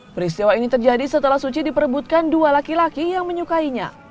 peristiwa ini terjadi setelah suci diperebutkan dua laki laki yang menyukainya